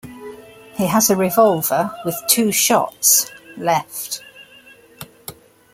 He has a revolver, with two shots — left.